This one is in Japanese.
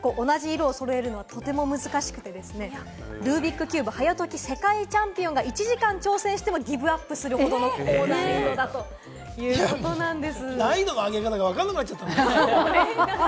９個、同じ色を揃えるのはとても難しくてですね、ルービックキューブ早解き世界チャンピオンが１時間挑戦してもギブアップするほどの高難度だということです。